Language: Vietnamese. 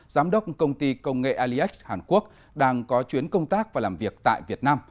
giám đốc công ty công nghệ aliex hàn quốc đang có chuyến công tác và làm việc tại việt nam